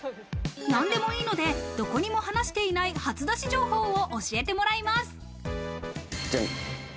何でもいいので、どこにも話していない初出し情報を教えてもらいます。